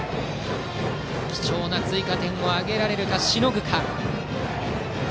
貴重な追加点を挙げられるか、しのぐか。